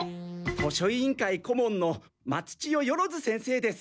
図書委員会こもんの松千代万先生です。